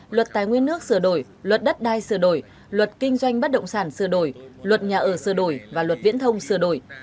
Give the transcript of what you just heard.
luật tài nguyên nước sửa đổi luật đất đai sửa đổi luật kinh doanh bất động sản sửa đổi luật nhà ở sửa đổi và luật viễn thông sửa đổi